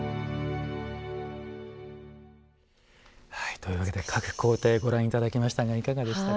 というわけで各工程ご覧いただきましたがいかがでしたか。